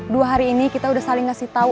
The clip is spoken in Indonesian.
dua hari ini kita udah saling ngasih tahu